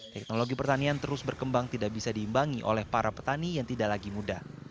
teknologi pertanian terus berkembang tidak bisa diimbangi oleh para petani yang tidak lagi muda